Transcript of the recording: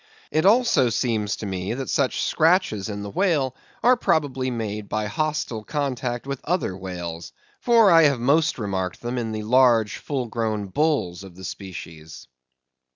It also seems to me that such scratches in the whale are probably made by hostile contact with other whales; for I have most remarked them in the large, full grown bulls of the species.